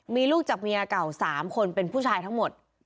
มีลูกจากเมียเก่า๓คนเป็นผู้ชายทั้งหมด